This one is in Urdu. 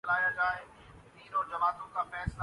دنیا بھر میں انسداد تمباکو نوشی کا دن منایا جارہاہے